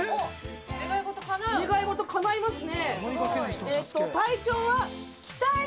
願い事、かないますね。